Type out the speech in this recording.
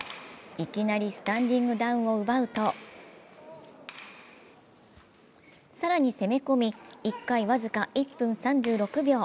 いきなりスタンディングダウンを奪うと更に攻め込み、１回僅か１分３６秒。